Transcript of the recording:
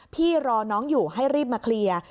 พี่รอน้องอยู่ให้รีบมาเคลียร์